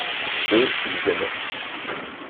Eux, ils aimaient.